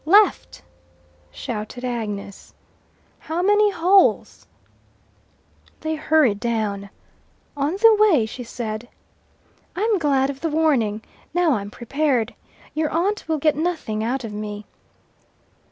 "Left!" shouted Agnes. "How many holes?" They hurried down. On the way she said: "I'm glad of the warning. Now I'm prepared. Your aunt will get nothing out of me."